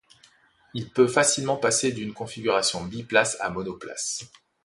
Il peut facilement passer d'une configuration biplace à monoplace.